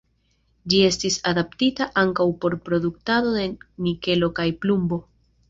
Ĝi estis adaptita ankaŭ por produktado de nikelo kaj plumbo.